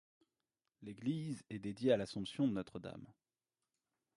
L’église est dédiée à l’Assomption de Notre-Dame.